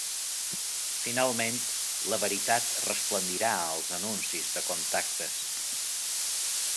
Finalment, la veritat resplendirà als anuncis de contactes.